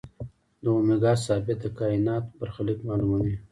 د اومېګا ثابت د کائنات برخلیک معلوموي.